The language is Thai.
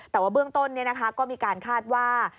แต่ว่าเบื้องต้นก็มีการคาดว่า